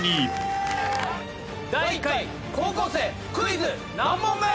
第１回高校生クイズ何問目？